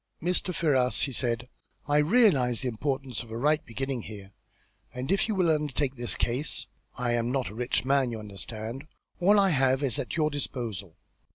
"Mr. Ferrars," he said, "I realise the importance of a right beginning here, and if you will undertake this case I am not a rich man, you understand all I have is at your disposal.